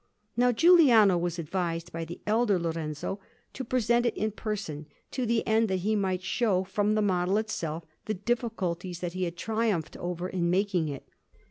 Now Giuliano was advised by the elder Lorenzo to present it in person, to the end that he might show from the model itself the difficulties that he had triumphed over in making it.